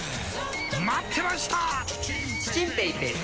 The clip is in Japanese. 待ってました！